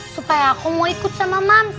supaya aku mau ikut sama mama